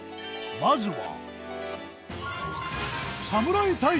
まずは。